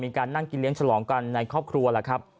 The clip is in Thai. มีการนั่งกินเลี้ยฉลองกันในครอบครัวล่ะครับ